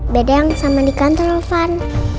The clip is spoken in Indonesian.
beda yang sama di kantor fan